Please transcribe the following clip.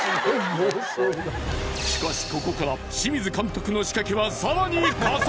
しかしここから清水監督の仕掛けはさらに加速